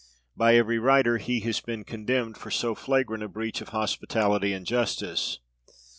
By every writer he has been condemned for so flagrant a breach of hospitality and justice.